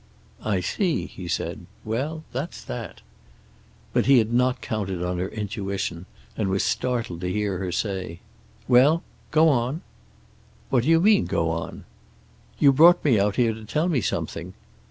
"I see," he said. "Well, that's that." But he had not counted on her intuition, and was startled to hear her say: "Well? Go on." "What do you mean, go on?" "You brought me out here to tell me something."